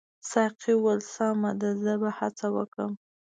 ساقي وویل سمه ده زه به هڅه وکړم.